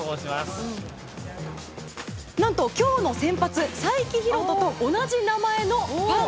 何と今日の先発才木浩人と同じ名前のファン。